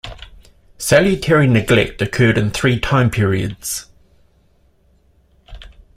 Salutary neglect occurred in three time periods.